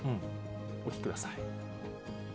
お聞きください。